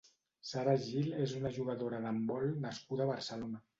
Sara Gil és una jugadora d'handbol nascuda a Barcelona.